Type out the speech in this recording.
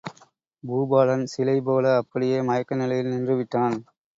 பூபாலன் சிலைபோல அப்படியே மயக்க நிலையில் நின்று விட்டான்.